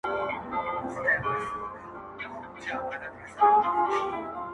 وای د اروپایان چندان خلک ندی